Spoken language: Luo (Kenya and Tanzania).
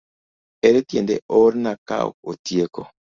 Ere tiende oorna kaok otieko.